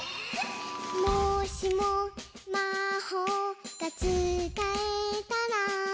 「もしもまほうがつかえたら」